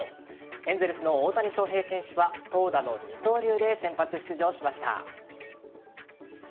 エンゼルスの大谷翔平選手は投打の二刀流で先発出場しました。